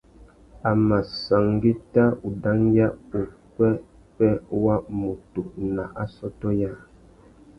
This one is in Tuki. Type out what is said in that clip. A mà sangüetta udangüia upwêpwê wa mutu nà assôtô yâā.